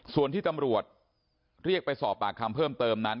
ส่วนที่ตำรวจเรียกไปสอบปากคำเพิ่มเติมนั้น